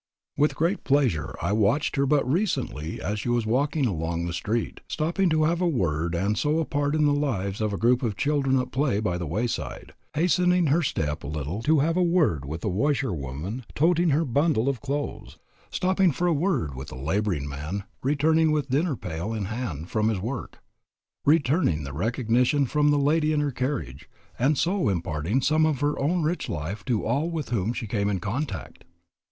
With great pleasure I watched her but recently as she was walking along the street, stopping to have a word and so a part in the lives of a group of children at play by the wayside, hastening her step a little to have a word with a washerwoman toting her bundle of clothes, stopping for a word with a laboring man returning with dinner pail in hand from his work, returning the recognition from the lady in her carriage, and so imparting some of her own rich life to all with whom she came in contact.